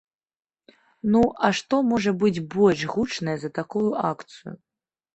Ну, а што можа быць больш гучнае за такую акцыю?